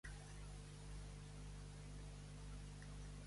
Com es mostra obert al diàleg, però?